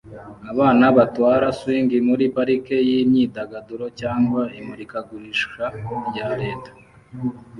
Abana batwara swing muri parike yimyidagaduro cyangwa imurikagurisha rya leta